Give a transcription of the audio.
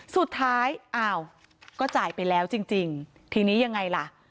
อ้าวก็จ่ายไปแล้วจริงทีนี้ยังไงล่ะ